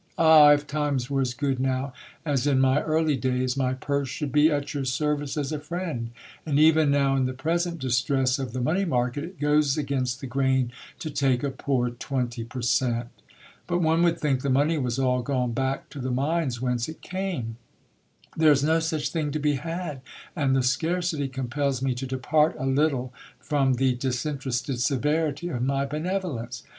Ah ! if times were as good now as in my early days, my purse should be at your service as a friend ; and even now, in the present distress of the money market, it goes against the grain to take a poor twenty per cent. But one would think the money was all gone back to the mines whence it came : th ere is no such thing to be had, and the scarcity compels me to depart a little from the disinterested severity of my benevolence.